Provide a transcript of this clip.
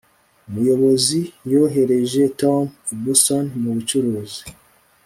Umuyobozi yohereje Tom i Boston mubucuruzi